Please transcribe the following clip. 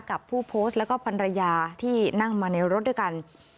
กับผู้โพสต์แล้วก็พันรยาที่นั่งมาในรถด้วยกัน